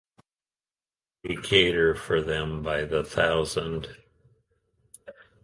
We cater for them by the thousand.